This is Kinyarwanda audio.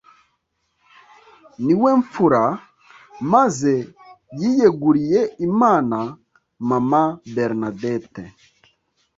niwemfura maze yiyeguriye imana, mama bernadette